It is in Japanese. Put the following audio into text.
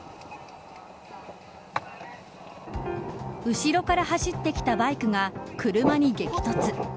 後ろから走ってきたバイクが車に激突。